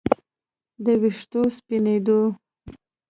د ویښتو سپینېدو